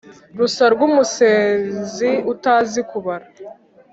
rusa rw’umusenzi utazi kubara